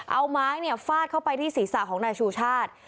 เอาไม้ฟาดเข้าไปที่ศีรษะของนายชูชาติ